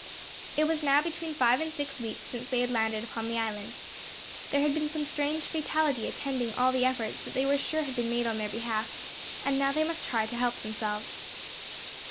It was now between five and six weeks since they had landed upon the island. There had been some strange fatality attending all the efforts that they were sure had been made on their behalf, and now they must try to help themselves.